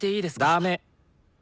ダメ。